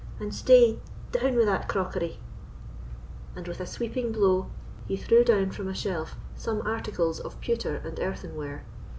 And stay—down wi' that crockery——" And with a sweeping blow, he threw down from a shelf some articles of pewter and earthenware.